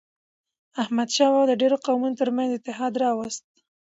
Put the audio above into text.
احمدشاه بابا د ډیرو قومونو ترمنځ اتحاد راووست.